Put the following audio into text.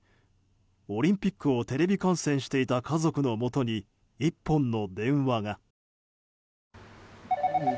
オリンピックをテレビ観戦していた家族のもとに１本の電話が。